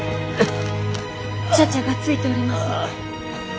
茶々がついております。